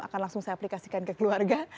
akan langsung saya aplikasikan ke keluarga